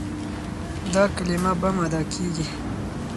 دا کلمه بم ادا کېږي.